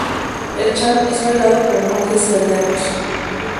El cham es bailado por monjes y aldeanos.